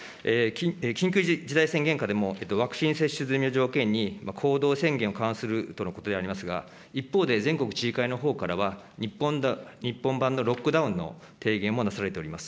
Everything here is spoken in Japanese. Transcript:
緊急事態宣言下でもワクチン接種済みの条件に、行動制限に関するということでありますが、一方で全国知事会のほうからは、日本版のロックダウンの提言もなされております。